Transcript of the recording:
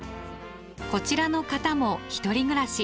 こちらの方も独り暮らし。